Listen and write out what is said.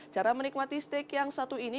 cara menikmati steak yang satu ini